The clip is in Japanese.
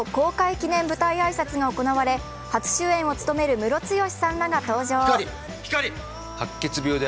記念舞台挨拶が行われ、初主演を務めるムロツヨシさんらが登場。